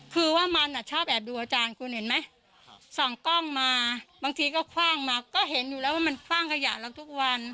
เพราะว่ามันอะชอบแอดดูอาจารย์คุณเข็มมั้ยส่องกล้องมาบางทีก็ขว้างมาก็เห็นอยู่แล้วว่ามันขว้างขยะลงทุกวัน